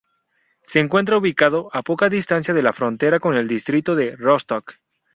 Se encuentra ubicado a poca distancia de la frontera con el distrito de Rostock.